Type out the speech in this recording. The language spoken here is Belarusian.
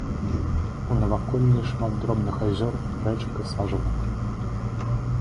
У наваколлі шмат дробных азёр, рэчак і сажалак.